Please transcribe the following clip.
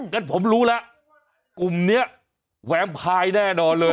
งั้นผมรู้แล้วกลุ่มนี้แหวนพายแน่นอนเลย